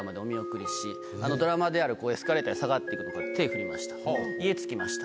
ドラマであるエスカレーターで下がっていく手振りました。